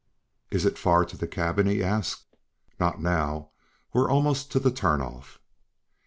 "Is it far to the cabin?" He asked. "Not now. We're almost to the turn off."